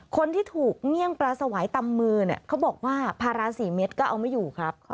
คนที่ถูกเงี่ยงปลาสวายตำมือเนี่ยเขาบอกว่าภาระ๔เม็ดก็เอาไม่อยู่ครับ